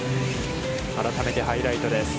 改めてハイライトです。